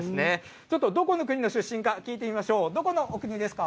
ちょっとどこの国の出身か聞いてみましょう。